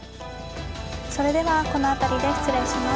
それではこの辺りで失礼します。